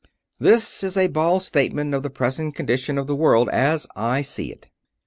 "This is a bald statement of the present condition of the world as I see it.